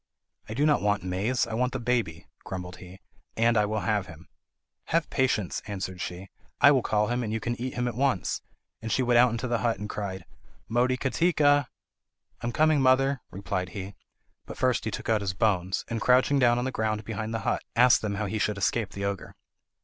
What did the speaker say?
"I do not want maize, I want the baby," grumbled he "and I will have him." "Have patience," answered she; "I will call him, and you can eat him at once." And she went into the hut and cried, "Motikatika!" "I am coming, mother," replied he; but first he took out his bones, and, crouching down on the ground behind the hut, asked them how he should escape the ogre.